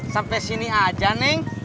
sampai sini aja neng